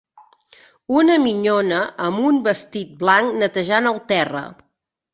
Una minyona amb un vestit blanc netejant el terra.